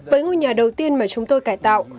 với ngôi nhà đầu tiên mà chúng tôi cải tạo